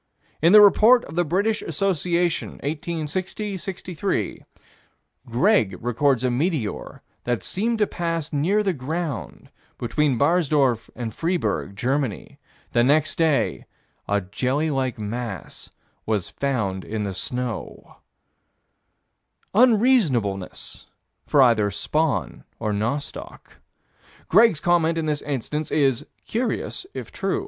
In the Report of the British Association, 1860 63, Greg records a meteor that seemed to pass near the ground, between Barsdorf and Freiburg, Germany: the next day a jelly like mass was found in the snow Unseasonableness for either spawn or nostoc. Greg's comment in this instance is: "Curious if true."